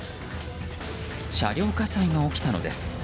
車両火災が起きたのです。